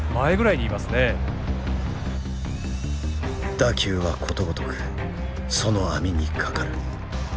打球はことごとくその網にかかる。